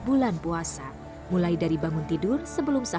berikan kebuatan untuk var technique itu pun willy aang dirubakan